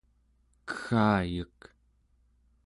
keggayek